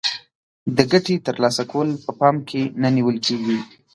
د ګټې تر لاسه کول په پام کې نه نیول کیږي.